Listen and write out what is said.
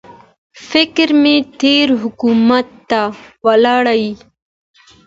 فکر مې تېر حکومت ته ولاړی.